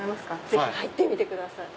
ぜひ入ってみてください。